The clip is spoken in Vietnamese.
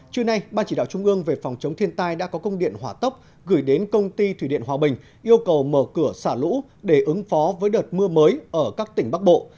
trưa nay ban chỉ đạo trung ương về phòng chống thiên tai đã có công điện hỏa tốc gửi đến công ty thủy điện hòa bình yêu cầu mở cửa xả lũ để ứng phó với đợt mưa mới ở các tỉnh bắc bộ